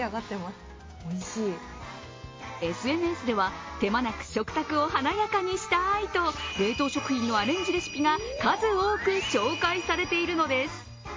ＳＮＳでは、手間なく食卓を華やかにしたいと冷凍食品のアレンジレシピが数多く紹介されているのです。